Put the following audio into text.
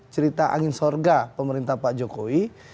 cerita angin sorga pemerintah pak jokowi